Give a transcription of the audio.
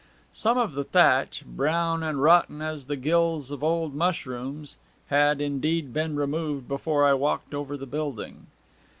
Some of the thatch, brown and rotten as the gills of old mushrooms, had, indeed, been removed before I walked over the building.